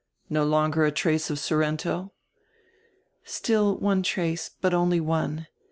No longer a trace of Sorrento?" "Still one trace, hut only one.